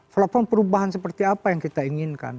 platform perubahan seperti apa yang kita inginkan